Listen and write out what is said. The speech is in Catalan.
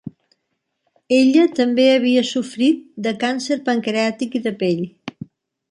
Ella també havia sofrit de càncer pancreàtic i de pell.